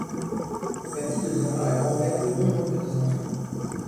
Patty deviendra la grand-mère de nombreux petits enfants.